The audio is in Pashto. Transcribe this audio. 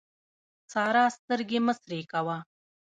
سارا سترګې مه سرې کوه.